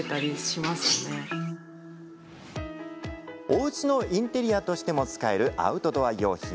おうちのインテリアとしても使えるアウトドア用品。